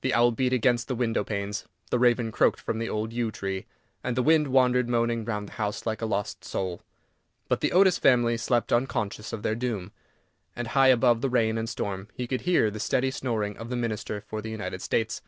The owl beat against the window panes, the raven croaked from the old yew tree, and the wind wandered moaning round the house like a lost soul; but the Otis family slept unconscious of their doom, and high above the rain and storm he could hear the steady snoring of the Minister for the United States.